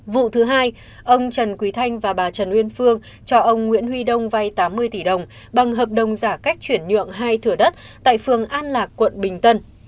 vụ thứ hai ông trần quý thanh và bà trần uyên phương cho ông nguyễn huy đông vay tám mươi tỷ đồng bằng hợp đồng giả cách chuyển nhượng hai thửa đất tại phường an lạc quận bình tân